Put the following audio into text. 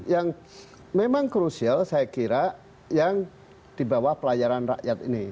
yang memang krusial saya kira yang dibawa pelayanan rakyat ini